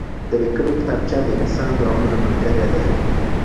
د لیکلو کتابچه د انسان د عمر ملګرې ده.